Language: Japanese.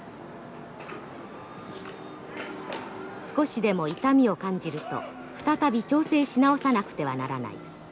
少しでも痛みを感じると再び調整し直さなくてはならない。